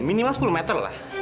minimal sepuluh meter lah